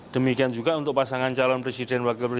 demikian juga untuk pasangan calon presiden wakil presiden